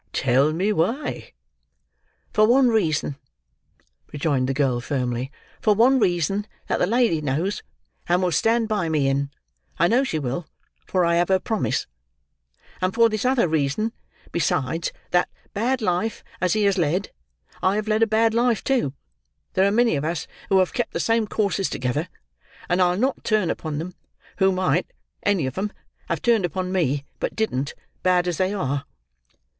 "Tell me why?" "For one reason," rejoined the girl firmly, "for one reason, that the lady knows and will stand by me in, I know she will, for I have her promise: and for this other reason, besides, that, bad life as he has led, I have led a bad life too; there are many of us who have kept the same courses together, and I'll not turn upon them, who might—any of them—have turned upon me, but didn't, bad as they are."